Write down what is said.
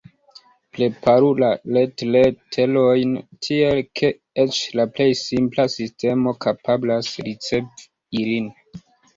Preparu la retleterojn tiel, ke eĉ la plej simpla sistemo kapablas ricevi ilin.